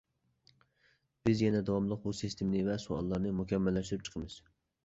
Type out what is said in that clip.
بىز يەنە داۋاملىق بۇ سىستېمىنى ۋە سوئاللارنى مۇكەممەللەشتۈرۈپ چىقىمىز.